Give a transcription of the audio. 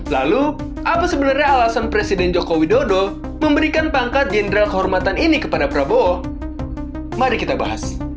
lalu apa sebenarnya alasan presiden joko widodo memberikan pangkat jenderal kehormatan ini kepada prabowo mari kita bahas